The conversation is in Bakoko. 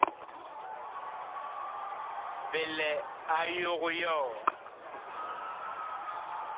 Bi lɛ a yog yɔɔ.